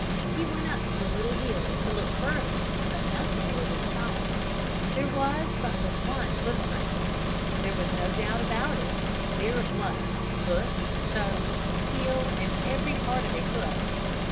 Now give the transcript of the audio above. He went up to a little hill to look further but nothing was in sight. There was but the one footprint. There was no doubt about it, there it was, foot, toes, heel and every part of a foot.